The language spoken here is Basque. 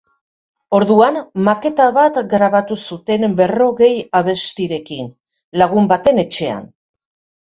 Orduan, maketa bat grabatu zuten berrogei abestirekin, lagun baten etxean.